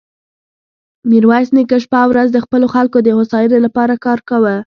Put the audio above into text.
ميرويس نيکه شپه او ورځ د خپلو خلکو د هوساينې له پاره کار کاوه.